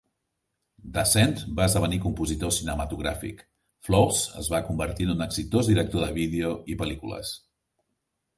Dasent va esdevenir compositor cinematogràfic, Flaws es va convertir en un exitós director de vídeo i pel·lícules.